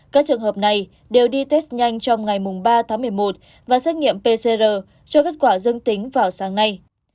các trường hợp này đều đi test nhanh trong ngày ba tháng một mươi một và xét nghiệm pcr cho kết quả dương tính vào sáng nay